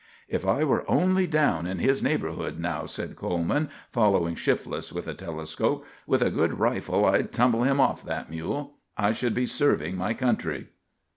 "If I were only down in his neighborhood now," said Coleman, following Shifless with the telescope, "with a good rifle, I'd tumble him off that mule. I should be serving my country."